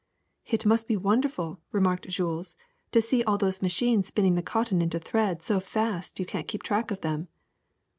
'' ^*It must be wonderful,'^ remarked Jules, ^*to see all those machines spinning the cotton into thread so fast you can 't keep track of them.